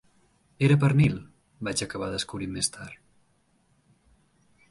Era pernil, vaig acabar descobrint més tard.